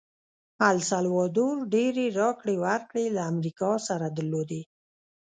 السلوادور ډېرې راکړې ورکړې له امریکا سره درلودې.